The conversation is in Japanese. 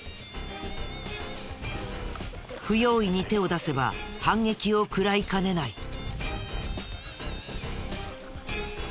不用意に手を出せば反撃を食らいかねない。